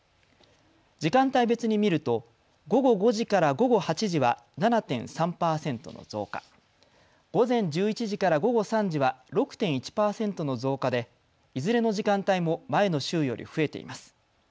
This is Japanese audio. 時間帯別に見ると午後５時から午後８時は７．３％増加、午前１１時から午後３時は６．１％の増加でいずれの時間帯も前の週より増えています。